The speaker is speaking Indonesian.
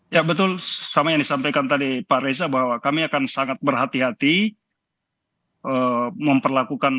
ya betul sama yang disampaikan tadi pak reza bahwa kami akan sangat berhati hati memperlakukan